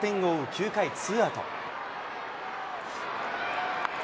９回ツーアウト。